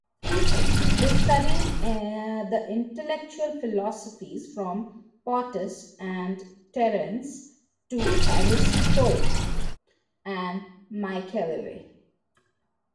They studied the intellectual philosophies from Plautus and Terence to Ariosto and Machiavelli.